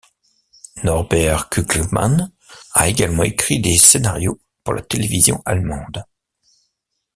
Norbert Kulgmann a également écrit des scénarios pour la télévision allemande.